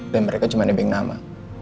dan mereka cuma nebeng nama